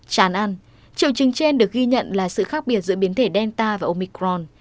chán ăn triệu chứng trên được ghi nhận là sự khác biệt giữa biến thể delta và omicron